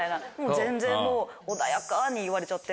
全然もう穏やかに言われちゃって。